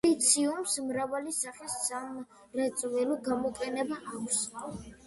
სილიციუმს მრავალი სახის სამრეწველო გამოყენება აქვს.